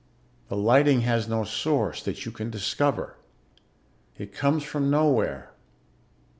The lighting has no source that you can discover. It comes from nowhere.